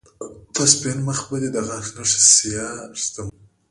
په سپين مخ به دې د غاښ نښې سياه ږدم